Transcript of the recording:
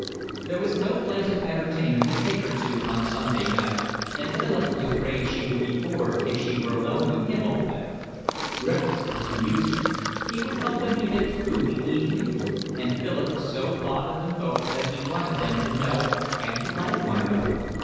There was no place of entertainment to take her to on Sunday night, and Philip was afraid she would be bored if she were alone with him all day. Griffiths was amusing; he would help them to get through the evening; and Philip was so fond of them both that he wanted them to know and to like one another.